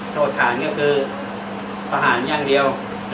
โทษฐานก็คือประหารอย่างเดียว